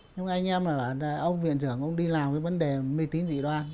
những anh em là ông viện trưởng ông đi làm với vấn đề mê tín dị đoan